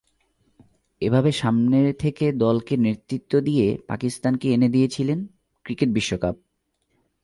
এভাবে সামনে থেকে দলকে নেতৃত্ব দিয়ে পাকিস্তানকে এনে দিয়েছিলেন ক্রিকেট বিশ্বকাপ।